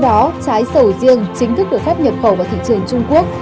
trong đó trái sầu riêng chính thức được phép nhập khẩu vào thị trường trung quốc